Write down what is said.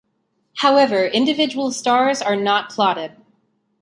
However, individual stars are not plotted.